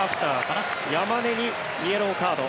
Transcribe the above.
山根にイエローカード。